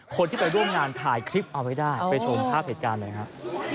คนที่ไปร่วมงานถ่ายคลิปเอาไว้ได้ไปชมภาพเหตุการณ์หน่อยครับ